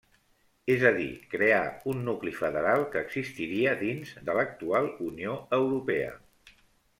És a dir, crear un nucli federal que existiria dins de l'actual Unió Europea.